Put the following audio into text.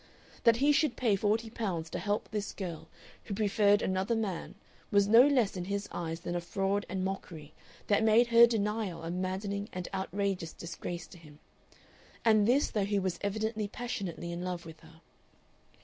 That he should pay forty pounds to help this girl who preferred another man was no less in his eyes than a fraud and mockery that made her denial a maddening and outrageous disgrace to him. And this though he was evidently passionately in love with her.